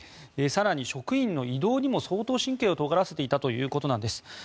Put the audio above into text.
更に職員の移動にも相当神経をとがらせていたということです。